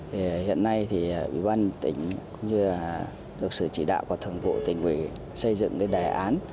hiện nay ủy ban tỉnh cũng như được sự chỉ đạo của thượng vụ tỉnh quỳ xây dựng đề án